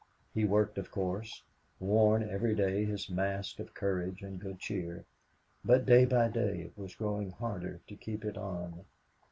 He worked, of course; wore every day his mask of courage and good cheer; but day by day it was growing harder to keep it on.